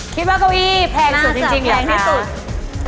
คิดว่าเก้าอี้แพงสุดจริงอย่างนี้ค่ะ